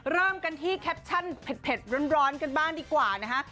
เริ่มกันที่แคปชั่นเผ็ดร้อนกันบ้างดีกว่านะฮะ